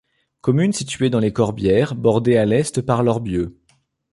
Commune située dans les Corbières, bordée à l'est par l'Orbieu.